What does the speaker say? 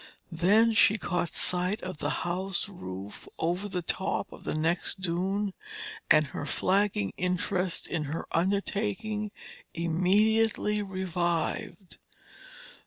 Then she caught sight of the house roof over the top of the next dune and her flagging interest in her undertaking immediately revived.